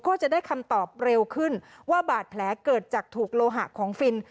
ก็จะได้คำตอบเร็วขึ้นว่าบาดแผลเกิดจากถูกโลหะของฟิน